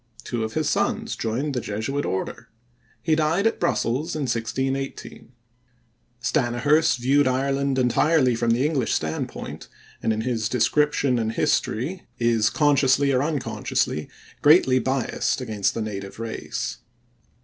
Two of his sons joined the Jesuit order. He died at Brussels in 1618. Stanyhurst viewed Ireland entirely from the English standpoint, and in his Description and History is, consciously or unconsciously, greatly biased against the native race.